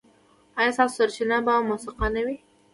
ایا ستاسو سرچینه به موثقه نه وي؟